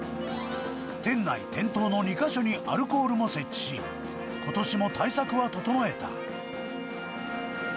店内、店頭の２か所にアルコールも設置し、ことしも対策は整えた。